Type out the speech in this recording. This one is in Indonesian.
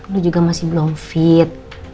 lu juga masih belum fit